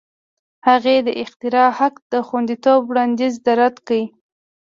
هغې د اختراع حق د خوندیتوب وړاندیز رد کړ.